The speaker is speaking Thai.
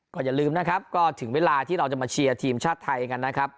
ก็อย่าลืมนะครับก็ถึงเวลาที่เราจะมาเชียร์ทีมชาติไทยกันนะครับ